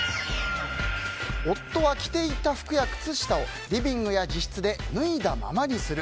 夫は着ていた服や靴下をリビングや自室で脱いだままにする。